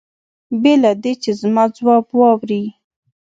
بې له دې چې زما ځواب واوري.